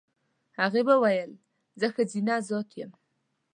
هغې وویل زه ښځینه ذات یم.